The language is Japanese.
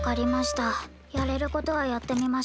やれることはやってみましょう。